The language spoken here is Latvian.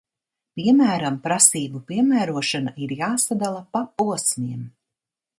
Piemēram, prasību piemērošana ir jāsadala pa posmiem.